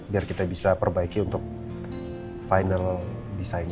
biar kita bisa perbaiki untuk final desain